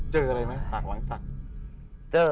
เจออะไรไหมศักดิ์หวังศักดิ์